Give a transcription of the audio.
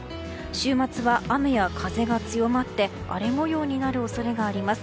週末は雨や風が強まって荒れ模様になる恐れがあります。